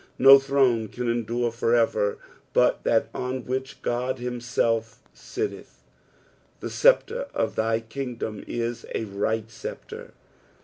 No throne can endure for ever, but that on which God liimself eitteth. "The teeptre qf thy kingdom is a right »eeptre."